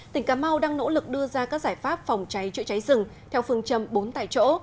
tỉnh cà mau đang nỗ lực đưa ra các giải pháp phòng cháy chữa cháy rừng theo phương châm bốn tại chỗ